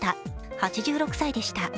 ８６歳でした。